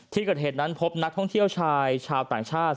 ที่เกิดเหตุนั้นพบนักท่องเที่ยวชายชาวต่างชาติ